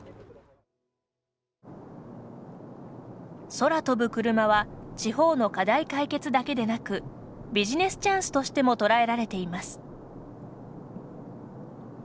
空飛ぶクルマは地方の課題解決だけでなくビジネスチャンスとしても捉えられています。